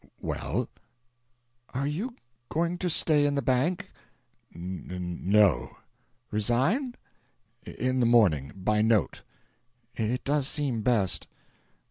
"Well?" "Are you going to stay in the bank?" "N no." "Resign?" "In the morning by note." "It does seem best."